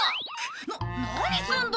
な何すんだ。